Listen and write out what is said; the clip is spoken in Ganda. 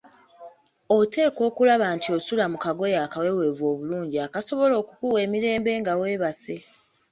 Oteekwa okulaba nti osula mu kagoye akaweweevu obulungi akasobola okukuwa emirembe nga weebase.